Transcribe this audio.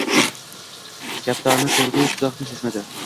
Kaptarni koʻrdi-yu, tuzoqni sezmadi